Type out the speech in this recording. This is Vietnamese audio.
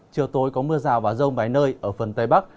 chiều tối có mưa rào và rông vài nơi ở phần tây bắc